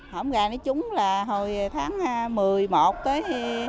hổng gà nó trúng là hồi tháng một mươi một tới